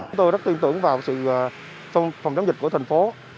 chúng tôi rất tin tưởng vào sự phòng chống dịch của thành phố